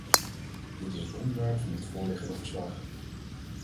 Dit is het onderwerp van het voorliggende verslag.